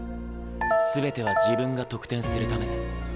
全ては自分が得点するため。